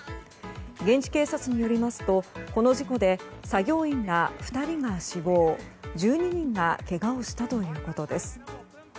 現地警察によりますとこの事故で作業員ら２人が死亡１２人がけがをしたということです。